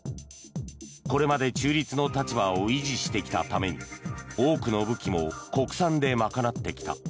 これまで中立の立場を維持してきたために多くの武器も国産で賄ってきた。